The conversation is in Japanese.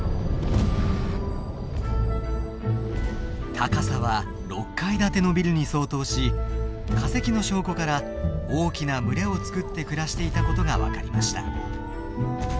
高さは６階建てのビルに相当し化石の証拠から大きな群れを作って暮らしていたことが分かりました。